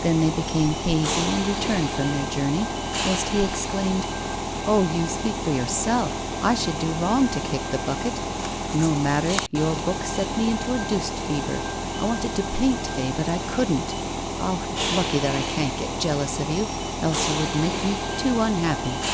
Then they became hazy and returned from their journey, whilst he exclaimed: 'Oh! you speak for yourself! I should do wrong to kick the bucket. No matter, your book sent me into a deuced fever. I wanted to paint to day, but I couldn't. Ah! it's lucky that I can't get jealous of you, else you would make me too unhappy.